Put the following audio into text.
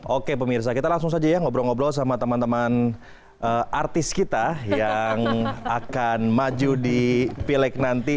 oke pemirsa kita langsung saja ya ngobrol ngobrol sama teman teman artis kita yang akan maju di pileg nanti